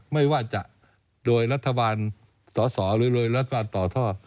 ไม่ว่าจะโดยรัฐบาลสอสอหรือโดยรัฐการต่อท่อ